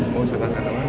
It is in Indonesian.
mau serangan apa